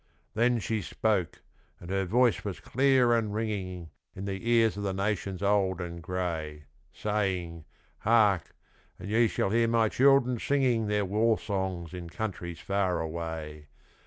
Then she spoke, and her voice was clear and ringing In the ears of the nations old and gray, Saying, 'Hark, and ye shall hear my children singing Their war song in countries far away.